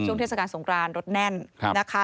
เทศกาลสงครานรถแน่นนะคะ